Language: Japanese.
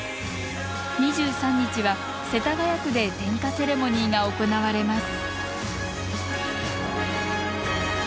２３日は世田谷区で点火セレモニーが行われます。